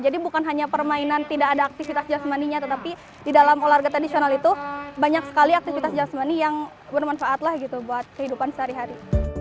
jadi bukan hanya permainan tidak ada aktivitas jasmaninya tetapi di dalam olahraga tradisional itu banyak sekali aktivitas jasmani yang bermanfaatlah gitu buat kehidupan sehari hari